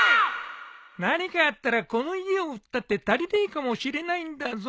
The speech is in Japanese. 何かあったらこの家を売ったって足りねえかもしれないんだぞ。